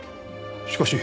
しかし。